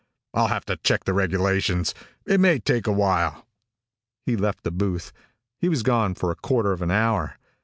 "I'll have to check the regulations. It may take a while." He left the booth. He was gone for a quarter of an hour.